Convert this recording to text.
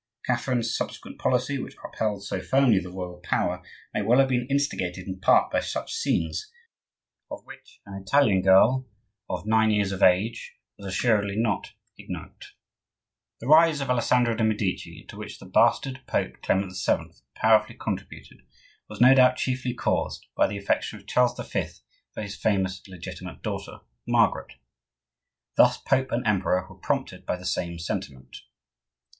Catherine's subsequent policy, which upheld so firmly the royal power, may well have been instigated in part by such scenes, of which an Italian girl of nine years of age was assuredly not ignorant. The rise of Alessandro de' Medici, to which the bastard Pope Clement VII. powerfully contributed, was no doubt chiefly caused by the affection of Charles V. for his famous illegitimate daughter Margaret. Thus Pope and emperor were prompted by the same sentiment.